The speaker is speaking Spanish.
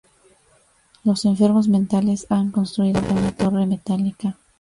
Los enfermos mentales han construido una torre metálica.